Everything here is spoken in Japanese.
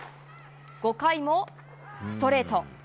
５回もストレート。